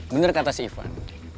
bener kata si ivan